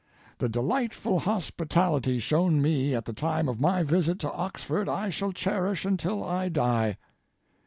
The delightful hospitality shown me at the time of my visit to Oxford I shall cherish until I die.